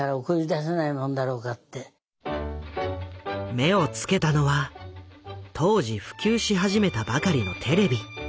目を付けたのは当時普及し始めたばかりのテレビ。